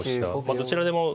どちらでも。